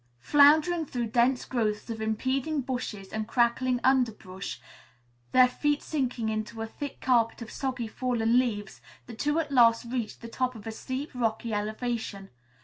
Floundering through dense growths of impeding bushes and crackling underbrush, their feet sinking into a thick carpet of soggy, fallen leaves, the two at last reached the top of a steep, rocky elevation.